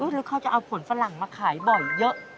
แล้วเขาจะเอาผลฝรั่งมาขายบ่อยเยอะ